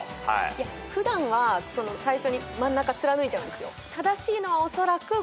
いや普段は最初に真ん中貫いちゃうんですよ。